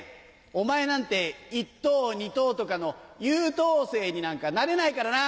お前なんて一等二等とかの優等生になんかなれないからな！